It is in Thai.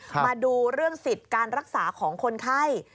มาดูเรื่องสิทธิ์การรักษาของคนไข้